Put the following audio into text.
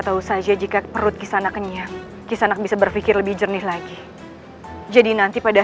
tahu saja jika perut kisana kenyang kisana bisa berpikir lebih jernih lagi jadi nanti pada